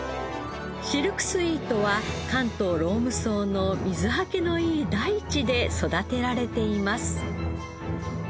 シルクスイートは関東ローム層の水はけのいい大地で育てられています。